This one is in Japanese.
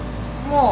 もう。